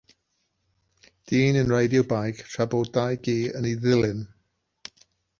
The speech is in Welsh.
Dyn yn reidio beic, tra bod dau gi yn ei ddilyn.